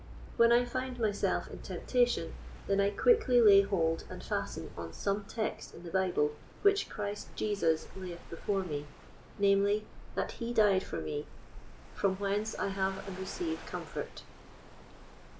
When I find myself in temptation, then I quickly lay hold and fasten on some text in the Bible which Christ Jesus layeth before me, namely, that he died for me, from whence I have and receive comfort.